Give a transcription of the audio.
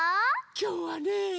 きょうはね。